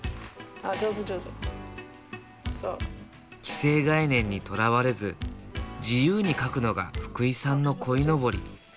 既成概念にとらわれず自由に描くのが福井さんの鯉のぼり。